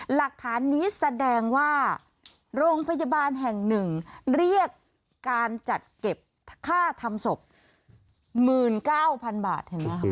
หลักฐานนี้แสดงว่าโรงพยาบาลแห่ง๑เรียกการจัดเก็บข้าทำศพ๑๙๐๐๐บาท